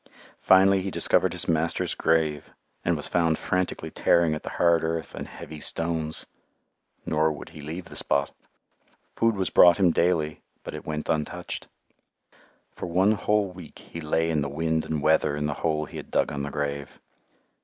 Finally he discovered his master's grave and was found frantically tearing at the hard earth and heavy stones. Nor would he leave the spot. Food was brought him daily, but it went untouched. For one whole week he lay in the wind and weather in the hole he had dug on the grave.